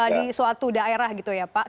di suatu daerah gitu ya pak